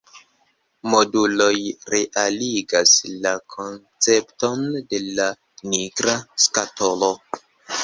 Moduloj realigas la koncepton de la nigra skatolo.